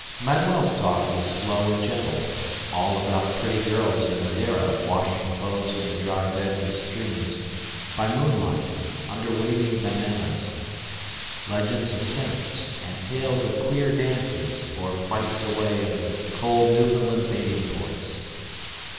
Manuel's talk was slow and gentle all about pretty girls in Madeira washing clothes in the dry beds of streams, by moonlight, under waving bananas; legends of saints, and tales of queer dances or fights away in the cold Newfoundland baiting ports.